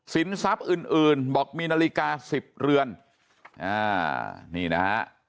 ทรัพย์อื่นอื่นบอกมีนาฬิกาสิบเรือนอ่านี่นะฮะ